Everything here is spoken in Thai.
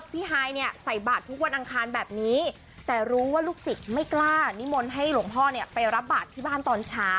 ฮายเนี่ยใส่บาททุกวันอังคารแบบนี้แต่รู้ว่าลูกศิษย์ไม่กล้านิมนต์ให้หลวงพ่อเนี่ยไปรับบาทที่บ้านตอนเช้า